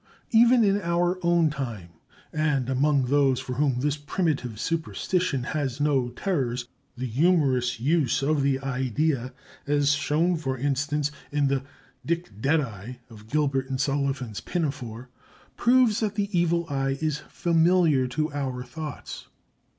Even in our own time, and among those for whom this primitive superstition has no terrors, the humorous use of the idea—as shown, for instance, in the "Dick Dead Eye" of Gilbert and Sullivan's "Pinafore"—proves that the Evil Eye is familiar to our thoughts.